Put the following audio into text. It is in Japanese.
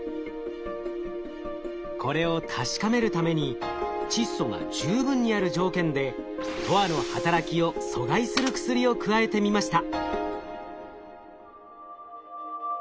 これを確かめるために窒素が十分にある条件でＴＯＲの働きを阻害する薬を加えてみました。